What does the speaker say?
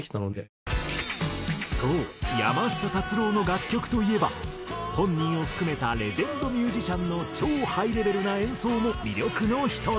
そう山下達郎の楽曲といえば本人を含めたレジェンドミュージシャンの超ハイレベルな演奏も魅力の一つ。